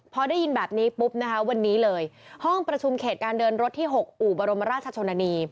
พอได้ยินแบบนี้ปุ๊บวันนี้เลยห้องประชุมเขตการเดินรถที่๖อบรชน